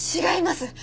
違います！